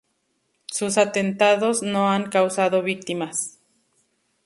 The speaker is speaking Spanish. Sus atentados no han causado víctimas.